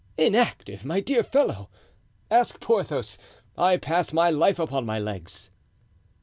"Inactive, my dear fellow! Ask Porthos. I pass my life upon my legs."